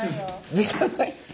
時間ないよ。